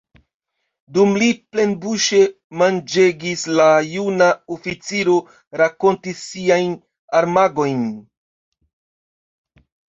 Dum li plenbuŝe manĝegis, la juna oficiro rakontis siajn armagojn.